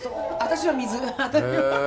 私は水。